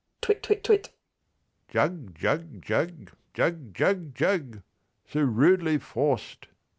_ Twit twit twit Jug jug jug jug jug jug So rudely forc'd.